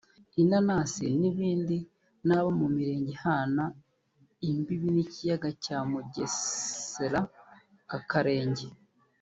inanasi n’ibindi ni abo mu mirenge ihana imbibi n’ikiyaga cya Mugesera nka Karenge